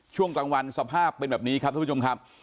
ช่วงกลางวันสภาพเป็นแบบนี้ครับทุกผู้ชมครับ